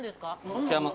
こちらも。